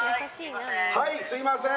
はいすいません